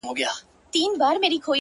د لېوني د ژوند سُر پر یو تال نه راځي-